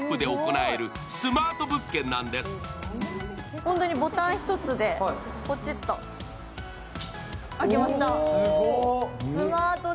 本当にボタン一つで、ポチッと開きました。